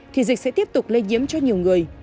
thì dịch sẽ tiếp tục lây nhiễm cho nhiều người